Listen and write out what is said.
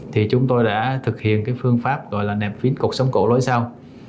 thì chúng tôi đã thực hiện cái phương pháp gọi là nạp vín cột sống cổ lối sau